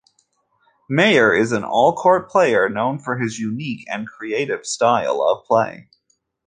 Mayer is an all-court player known for his unique and creative style of play.